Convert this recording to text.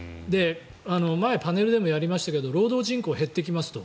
前、パネルでもやりましたけど労働人口が減ってきますよと。